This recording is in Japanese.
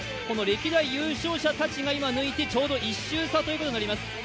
歴代優勝者たちが今抜いて、ちょうど１周差になります。